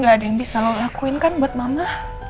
gak ada yang bisa lo lakuin kan buat mama